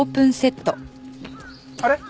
あれ？